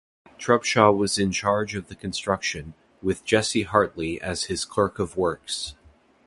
Trubshaw was in charge of the construction, with Jesse Hartley as his clerk-of-works.